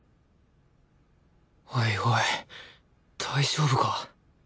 おいおい大丈夫か？